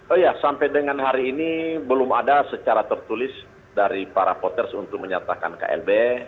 oh ya sampai dengan hari ini belum ada secara tertulis dari para poters untuk menyatakan klb